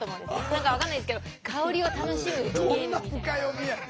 何か分かんないですけど香りを楽しむゲームみたいな。